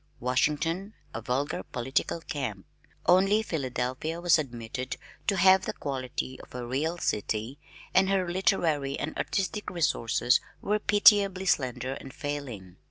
Washington a vulgar political camp only Philadelphia was admitted to have the quality of a real city and her literary and artistic resources were pitiably slender and failing!